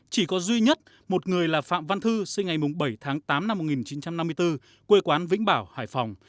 chỉ có duy nhất một người là phạm văn thư sinh ngày bảy tháng tám năm một nghìn chín trăm năm mươi bốn quê quán vĩnh bảo hải phòng